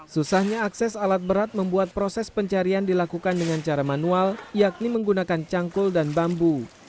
susahnya akses alat berat membuat proses pencarian dilakukan dengan cara manual yakni menggunakan cangkul dan bambu